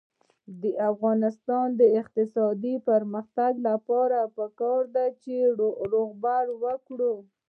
د افغانستان د اقتصادي پرمختګ لپاره پکار ده چې روغبړ وکړو.